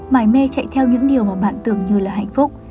mải mê chạy theo những điều mà bạn tưởng như là hạnh phúc